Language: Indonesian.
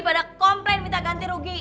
pada komplain minta ganti rugi